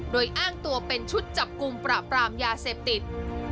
โดยอ้างตัวเป็นชุดจับกลุ่มประปรามยาเสพติด